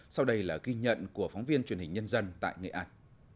sau đây là ghi nhận của phóng viên truyền hình nhân dân tại nghệ an